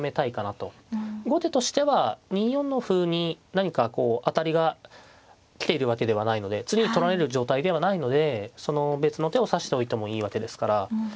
後手としては２四の歩に何かこう当たりが来ているわけではないので次に取られる状態ではないので別の手を指しておいてもいいわけですから。